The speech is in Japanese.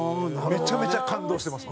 めちゃめちゃ感動してます。